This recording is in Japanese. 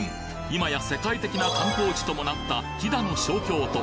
今や世界的な観光地ともなった飛騨の小京都